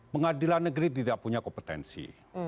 pengadilan negeri tidak punya kompetensi